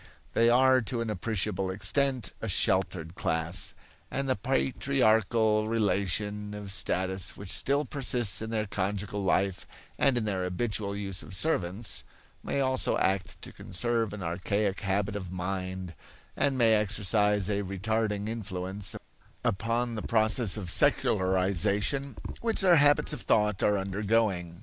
They are to an appreciable extent a sheltered class; and the patriarchal relation of status which still persists in their conjugal life and in their habitual use of servants, may also act to conserve an archaic habit of mind and may exercise a retarding influence upon the process of secularization which their habits of thought are undergoing.